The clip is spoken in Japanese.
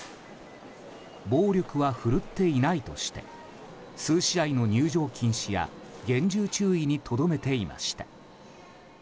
暴力は振るっていないとして数試合の入場禁止や厳重注意にとどめていました。